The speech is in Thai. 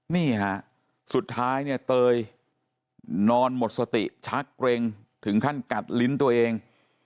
นี่ฮะสุดท้ายเนี่ยเตยนอนหมดสติชักเกร็งถึงขั้นกัดลิ้นตัวเอง